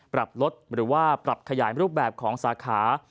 ปรับลดหรือว่าปรับขยายรูปแบบของสาขา